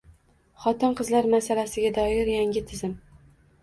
Xotin-qizlar masalasiga doir yangi tizim